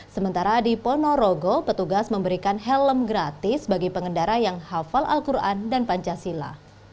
sementara di ponorogo petugas memberikan helm gratis bagi pengendara yang hafal al quran dan pancasila